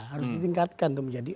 harus ditingkatkan untuk menjadi